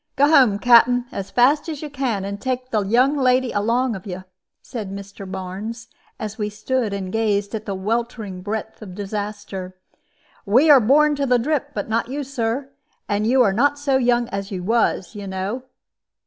"Go home, Captain, as fast as you can, and take the young lady along of you," said Mr. Barnes, as we stood and gazed at the weltering breadth of disaster. "We are born to the drip, but not you, Sir; and you are not so young as you was, you know."